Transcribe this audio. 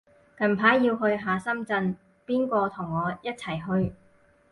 近排要去下深圳，邊個同我一齊去